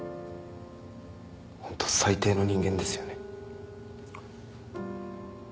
本当最低の人間ですよね。